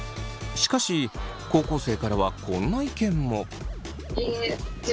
しかし高校生からはこんな意見も。